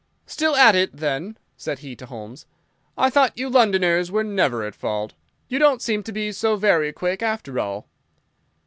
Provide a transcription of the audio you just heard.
"Still at it, then?" said he to Holmes. "I thought you Londoners were never at fault. You don't seem to be so very quick, after all."